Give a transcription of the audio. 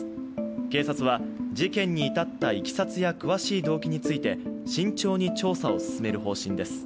警察は、事件に至ったいきさつや詳しい動機について慎重に調査を進める方針です。